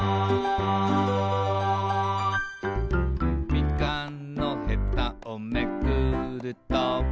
「みかんのヘタをめくると」